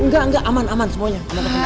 gak gak aman aman semuanya